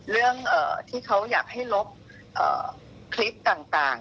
เรื่องที่เขาอยากให้ลบคลิปต่าง